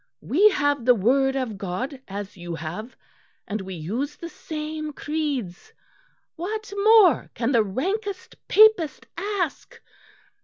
We have the Word of God as you have, and we use the same creeds. What more can the rankest Papist ask?